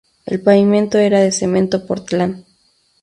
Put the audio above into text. El pavimento era de cemento portland.